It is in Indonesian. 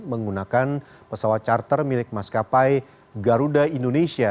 menggunakan pesawat charter milik maskapai garuda indonesia